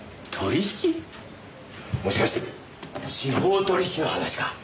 もしかして司法取引の話か？